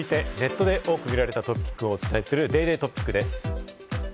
以上、続いてネットで多く見られたトピックをお伝えするＤａｙＤａｙ．トピックです。